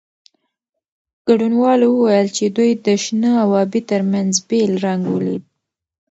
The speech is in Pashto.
ګډونوالو وویل چې دوی د شنه او ابي ترمنځ بېل رنګ ولید.